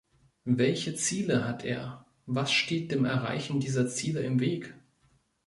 Welche Ziele hat er, was steht dem Erreichen dieser Ziele im Weg?